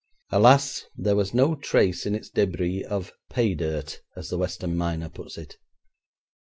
Alas! there was no trace in its debris of 'pay dirt,' as the western miner puts it.